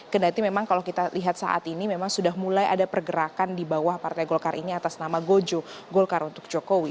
kedati memang kalau kita lihat saat ini memang sudah mulai ada pergerakan di bawah partai golkar ini atas nama gojo golkar untuk jokowi